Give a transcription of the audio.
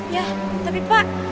yah tapi pak